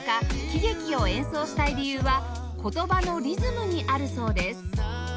『喜劇』を演奏したい理由は「言葉のリズム」にあるそうです